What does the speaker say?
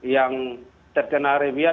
yang terkena reviat